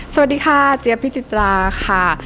สวัสดีค่ะเจี๊ยพิจิตราค่ะ